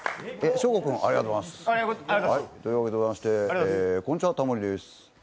ショーゴ君、ありがとうございます。というわけでございましてこんちわ、タモリです。